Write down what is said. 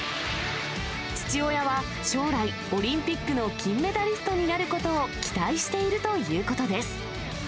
父親は、将来、オリンピックの金メダリストになることを期待しているということです。